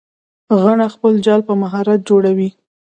غڼه خپل جال په مهارت جوړوي